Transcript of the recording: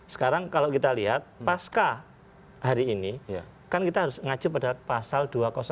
sekarang kalau kita lihat pasca hari ini kan kita harus mengacu pada pasal dua ratus dua